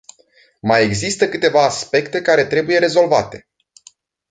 Mai există câteva aspecte care trebuie rezolvate.